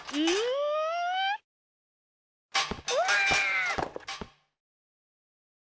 うわ！